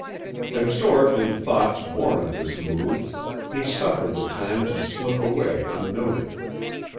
Absorbed in thoughts born of this mood, he suffered the time to slip away unnoted.